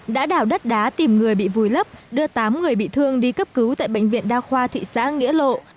đã đảo đất đá tìm người bị vùi lấp đưa tám người bị thương đi cấp cứu tại bệnh viện đa khoa thị xã nghĩa lộ